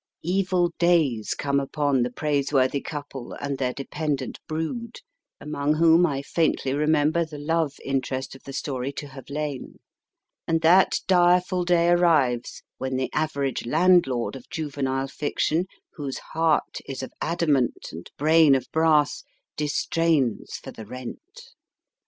THE DINING ROOM Evil days come upon the praiseworthy couple and their dependent brood, among whom I faintly remember the love interest of the story to have lain ; and that direful day arrives when the average landlord of juvenile fiction, whose heart is of adamant and brain of brass, distrains for the rent.